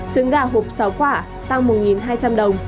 trứng gà hộp sáu quả tăng một hai trăm linh đồng một hộp